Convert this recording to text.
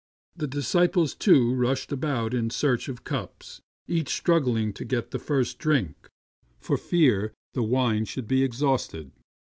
The disciples, too, rushed about in search of cups, each struggling to get the first drink for fear the wine should be exhausted.